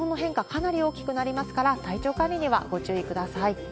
かなり大きくなりますから、体調管理にはご注意ください。